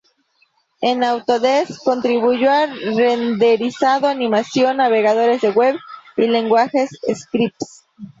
En Autodesk, contribuyo al renderizado, animación, navegadores de Web, y lenguajes scripts.